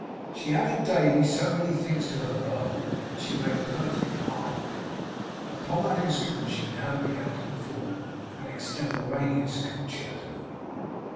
She added daily so many strings to her bow, that she made a perfect harp of it; and upon that instrument she now began to perform an extemporaneous concerto.